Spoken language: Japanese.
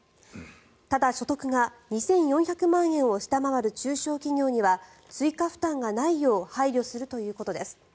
ただ、所得が２４００万円を下回る中小企業には追加負担がないよう配慮するということです。